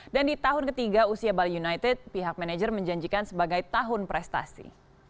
dan di tahun ketiga usia bali united pihak manajer menjanjikan sebagai tahun prestasi